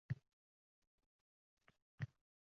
Bu davr markaziy asab tizimining faol yetilishi